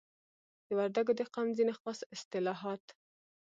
د وردګو د قوم ځینی خاص اصتلاحات